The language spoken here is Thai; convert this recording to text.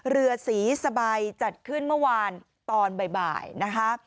เรือสีสบายจัดขึ้นเมื่อวานตอนบ่ายนะคะ